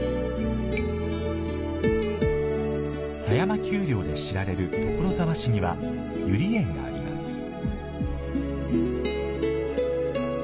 狭山丘陵で知られる所沢市には、ゆり園があります。